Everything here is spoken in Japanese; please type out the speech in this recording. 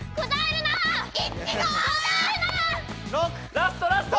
ラストラスト！